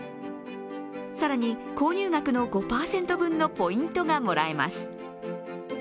更に、購入額の５％分のポイントがもらえます。